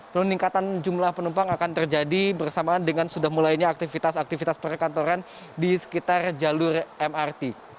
peningkatan jumlah penumpang akan terjadi bersamaan dengan sudah mulainya aktivitas aktivitas perkantoran di sekitar jalur mrt